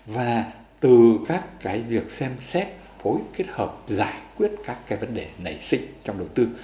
và từ các việc xem xét phối kết hợp giải quyết các vấn đề nảy sinh trong đầu tư